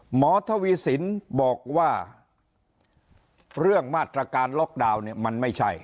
ทวีสินบอกว่าเรื่องมาตรการล็อกดาวน์เนี่ยมันไม่ใช่